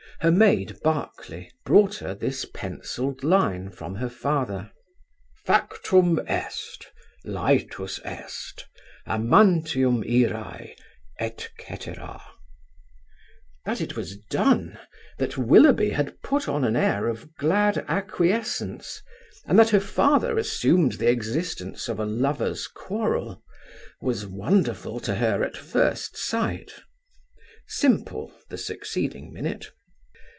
Her maid Barclay brought her this pencilled line from her father: "Factum est; laetus est; amantium irae, etc." That it was done, that Willoughby had put on an air of glad acquiescence, and that her father assumed the existence of a lovers' quarrel, was wonderful to her at first sight, simple the succeeding minute.